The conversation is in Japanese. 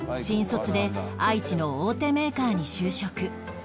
新卒で愛知の大手メーカーに就職